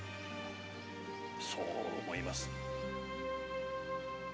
そう思います。